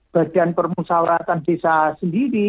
badan permusawaratan desa sendiri